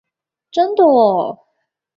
真的喔！